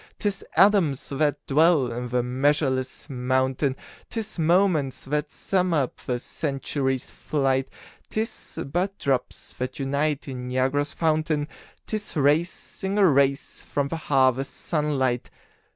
'Tis atoms that dwell in the measureless mountain, 'Tis moments that sum up the century's flight; 'Tis but drops that unite in Niagara's fountain, 'Tis rays, single rays, from the harvest sun light.